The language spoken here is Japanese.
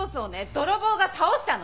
泥棒が倒したの！